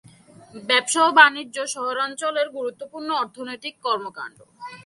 ব্যবসা ও বাণিজ্য শহরাঞ্চলের গুরুত্বপূর্ণ অর্থনৈতিক কর্মকাণ্ড।